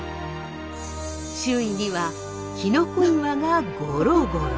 周囲にはきのこ岩がゴロゴロ。